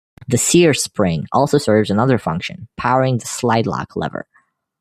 The sear spring also serves another function, powering the slide lock lever.